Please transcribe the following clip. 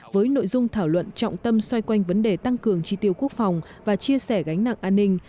với nội dung thảo luận trọng tâm xoay quanh vấn đề tăng cường tri tiêu quốc phòng và chia sẻ gánh nặng an ninh